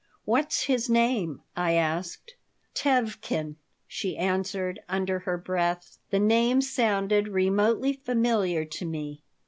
"What's his name?" I asked "Tevkin," she answered, under her breath The name sounded remotely familiar to me.